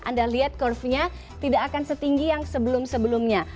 anda lihat curvenya tidak akan setinggi yang sebelum sebelumnya